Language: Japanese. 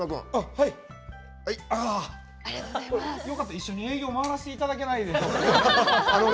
よかったら一緒に営業回らせていただけないでしょうか。